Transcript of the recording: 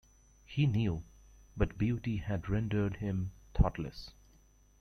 He knew, but beauty had rendered him thoughtless.